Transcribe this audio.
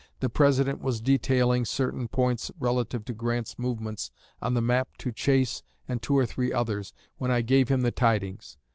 The President was detailing certain points relative to Grant's movements on the map to Chase and two or three others, when I gave him the tidings.